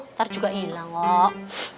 ntar juga ilang kok